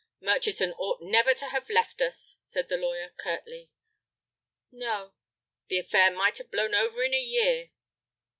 "Murchison ought never to have left us," said the lawyer, curtly. "No." "The affair might have blown over in a year."